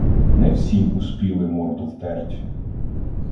Не всім успіли морду втерть.